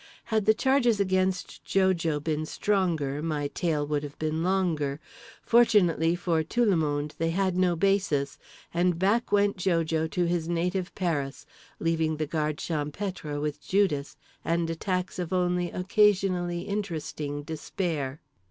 Had the charges against Jo Jo been stronger my tale would have been longer—fortunately for tout le monde they had no basis; and back went Jo Jo to his native Paris, leaving the Guard Champêtre with Judas and attacks of only occasionally interesting despair.